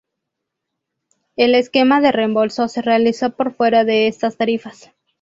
El esquema de reembolso se realizó por fuera de estas tarifas.